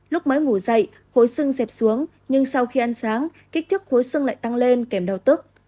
lúc mới ngủ dậy khối xưng dẹp xuống nhưng sau khi ăn sáng kích thước khối xưng lại tăng lên kèm đau tức